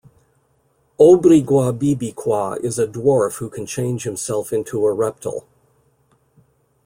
Obrigwabibikwa is a dwarf who can change himself into a reptile.